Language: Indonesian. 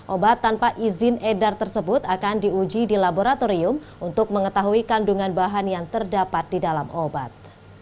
obat tanpa izin edar tersebut akan diuji di laboratorium untuk mengetahui kandungan bahan yang terdapat di dalam obat